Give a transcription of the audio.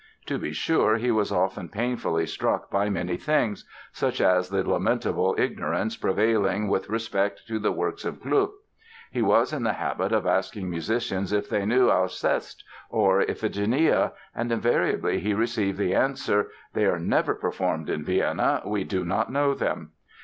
To be sure he was often painfully struck by many things, such as the lamentable "ignorance prevailing with respect to the works of Gluck". He was in the habit of asking musicians if they knew "Alceste" or "Iphigenia" and invariably he received the answer: "They are never performed in Vienna; we do not know them".